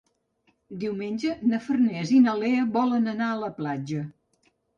Diumenge na Farners i na Lea volen anar a la platja.